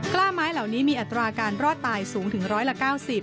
กล้าไม้เหล่านี้มีอัตราการรอดตายสูงถึงร้อยละ๙๐